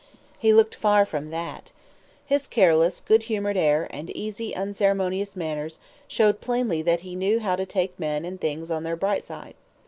He looked far from that. His careless, good humored air, and easy, unceremonious manners, showed plainly that he knew how to take men and things on their bright side.